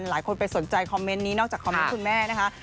หลายคนไปสนใจคอมเมนต์นี้นอกจากคอมเมนต์คุณแม่นะคะ